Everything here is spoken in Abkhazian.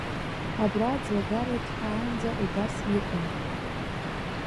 Абра аӡлагараҿ ҳаанӡа убас иҟан.